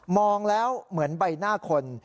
องแล้วเหมือนใบหน้าคน